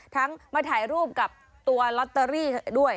มาถ่ายรูปกับตัวลอตเตอรี่ด้วย